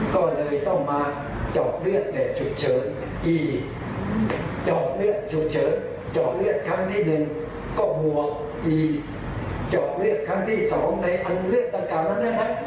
ก็เลยต้องมาจอกเลือดแผ่นฉุดเฉินจอกเลือดฉุดเฉินจอกเลือดครั้งที่หนึ่งก็บวกจอกเลือดครั้งที่สองในอันเลือดต่างกล่าวนั้นนะครับ